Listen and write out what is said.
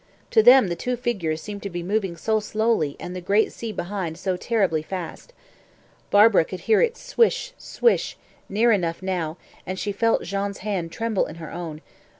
To them the two figures seemed to be moving so slowly and the great sea behind so terribly fast. Barbara could hear its swish, swish, near enough now, and she felt Jean's hand tremble in her own.